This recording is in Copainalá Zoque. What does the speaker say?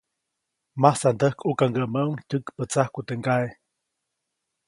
Masandäjkʼukaŋgäʼmäʼuŋ tyäkpätsajku teʼ ŋgaʼe.